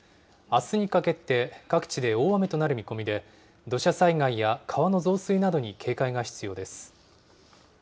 あすにかけて各地で大雨となる見込みで、土砂災害や川の増水などに警戒が必要です。